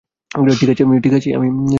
ঠিক আছি, আমি।